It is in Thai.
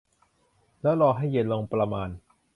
แล้วรอให้เย็นลงประมาณ